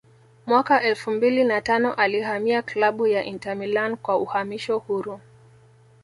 Mwaka elfu mbili na tano alihamia klabu ya Inter Milan kwa uhamisho huru